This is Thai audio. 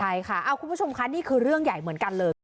ใช่ค่ะคุณผู้ชมค่ะนี่คือเรื่องใหญ่เหมือนกันเลย